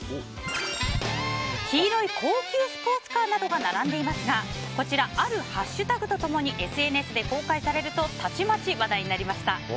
黄色い高級スポーツカーなどが並んでいますがこちら、あるハッシュタグと共にＳＮＳで公開されるとたちまち話題になりました。